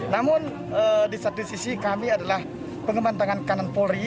namun di satu sisi kami adalah pengembang tangan kanan polri